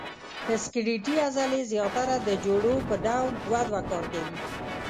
سکلیټي عضلې زیاتره د جوړو په ډول دوه دوه کار کوي.